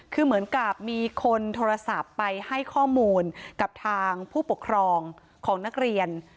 คือเหมือนกับมีคนโทรศัพท์ไปให้ข้อมูลกับทางผู้ปกครองของนักเรียน